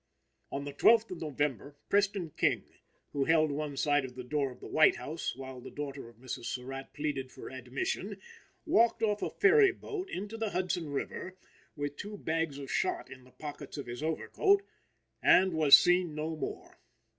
On the 12th of November, Preston King, who held one side of the door of the White House while the daughter of Mrs. Surratt pleaded for admission, walked off a ferry boat into the Hudson River, with two bags of shot in the pockets of his overcoat, and was seen no more.